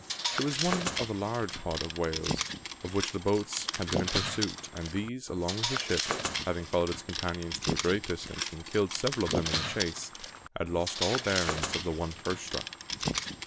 It was one of a large "pod" of whales, of which the boats had been in pursuit, and these, along with the ship, having followed its companions to a great distance, and killed several of them in the chase, had lost all bearings of the one first struck.